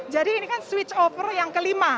jadi ini kan switch over yang kelima